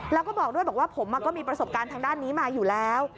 แล้วก็บอกด้วยบอกว่าผมก็มีประสบการณ์ทางด้านนี้มาอยู่แล้ว